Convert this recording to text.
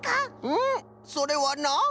うんそれはな